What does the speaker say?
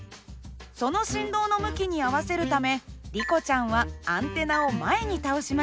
その振動の向きに合わせるためリコちゃんはアンテナを前に倒しました。